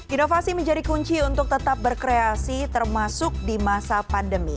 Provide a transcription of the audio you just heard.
inovasi menjadi kunci untuk tetap berkreasi termasuk di masa pandemi